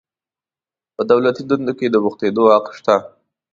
په دولتي دندو کې د بوختیدو حق شته.